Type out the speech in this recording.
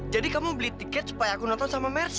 jadi kamu beli tiket supaya aku nonton sama mercy